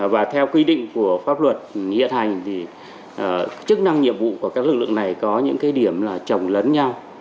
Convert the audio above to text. và theo quy định của pháp luật hiện hành thì chức năng nhiệm vụ của các lực lượng này có những cái điểm là trồng lấn nhau